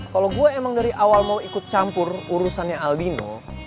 kalau gue emang dari awal mau ikut campur urusannya albino